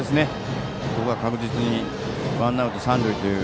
ここは確実にワンアウト、三塁という